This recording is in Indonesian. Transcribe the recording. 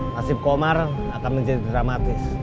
nasib komar akan menjadi dramatis